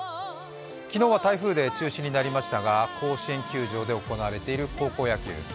昨日は台風で中止になりましたが甲子園球場で行われている高校野球。